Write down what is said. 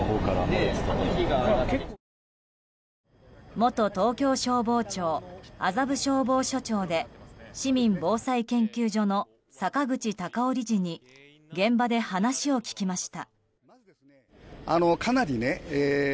元東京消防庁麻布消防署長で市民防災研究所の坂口隆夫理事に現場で話を聞きました。